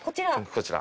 こちら。